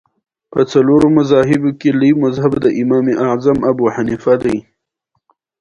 چې د عیش په بزم کې شراب اخلې.